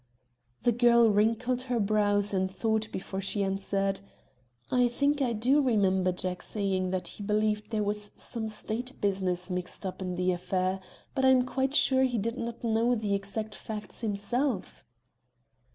The girl wrinkled her brows in thought before she answered: "I think I do remember Jack saying that he believed there was some State business mixed up in the affair, but I am quite sure he did not know the exact facts himself."